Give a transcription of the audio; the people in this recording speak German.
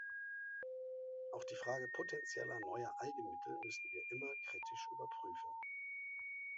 Auch die Frage potentieller neuer Eigenmittel müssen wir immer kritisch überprüfen.